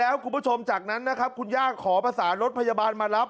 แล้วคุณผู้ชมจากนั้นนะครับคุณย่าขอประสานรถพยาบาลมารับ